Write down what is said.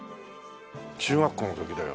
中学校の時だよ。